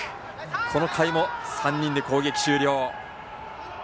この回も３人で攻撃終了。